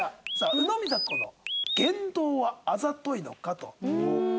宇野実彩子の言動はあざといのか？と。